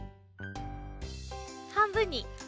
はんぶんに。